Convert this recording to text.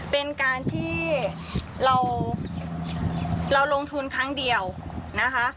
เป็นการที่เราลงทุนครั้งเดียวนะคะ